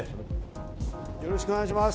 よろしくお願いします。